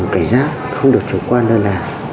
cảnh giác không được chủ quan lên là